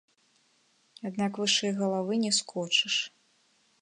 Аднак вышэй галавы не скочыш.